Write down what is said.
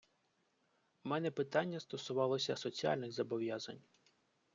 У мене питання стосувалося соціальних зобов'язань.